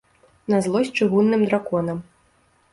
На злосць чыгунным драконам.